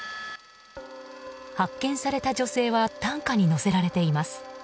発見された女性は担架に乗せられています。